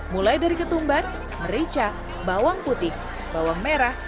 mulai dari ketumbar merica bawang putih bawang merah